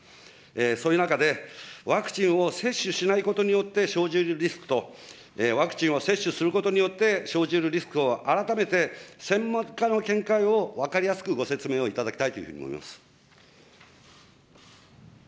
そういう中でワクチンを接種しないことによって生じるリスクと、ワクチンを接種することによって生じるリスクを改めて専門家の見解を、分かりやすくご説明をいただきたいというふうに思います。